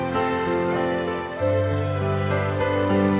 terima kasih sayang